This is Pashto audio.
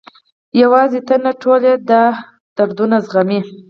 یوازې ته نه، ټول یې دا دردونه زغمي.